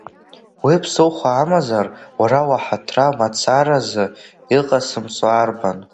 Уи ԥсыхәа амазар, уара уаҳаҭра мацаразы, иҟасымҵо арбан?